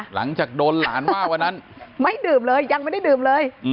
หลังจากโดนหลานว่าวันนั้นไม่ดื่มเลยยังไม่ได้ดื่มเลย